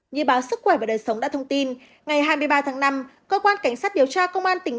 như báo sức khỏe và đời sống đã thông tin ngày hai mươi ba tháng năm cơ quan cảnh sát điều tra công an tỉnh